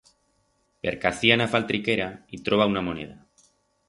Percacia en a faltriquera y troba una moneda.